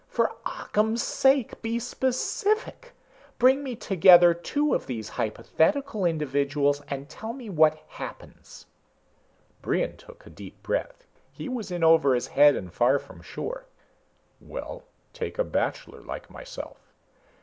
For Occam's sake, be specific! Bring me together two of these hypothetical individuals and tell me what happens." Brion took a deep breath. He was in over his head and far from shore. "Well take a bachelor like myself.